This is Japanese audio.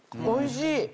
おいしい！